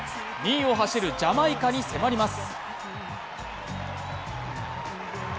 ２位を走るジャマイカに迫ります。